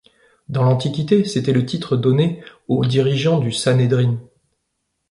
Dans l'Antiquité, c'était le titre donné au dirigeant du Sanhédrin.